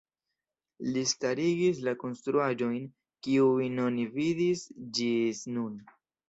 Li starigis la konstruaĵojn kiujn oni vidis ĝis nun.